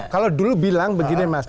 kalau dulu bilang begini mas